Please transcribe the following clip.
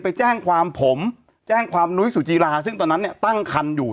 ไปแจ้งความผมแจ้งความนุ้ยสุจีราซึ่งตอนนั้นเนี่ยตั้งคันอยู่